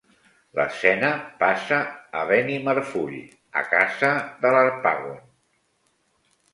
L'escena passa a Benimarfull a casa de l'Harpagon